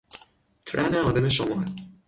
ترن عازم شمال